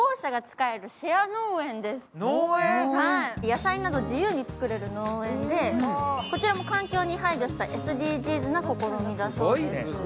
野菜など自由に作れる農園で、こちらも環境に配慮したＳＤＧｓな試みだそうです。